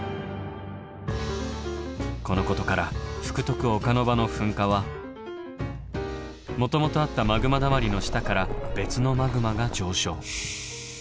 このことから福徳岡ノ場の噴火はもともとあったマグマだまりの下から別のマグマが上昇。